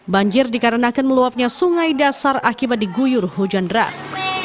banjir dikarenakan meluapnya sungai dasar akibat diguyur hujan deras